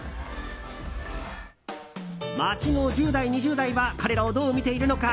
街の１０代、２０代は彼らをどう見ているのか？